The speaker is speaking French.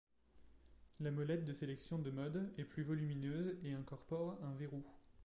La molette de sélection de mode est plus volumineuse et incorpore un verrou.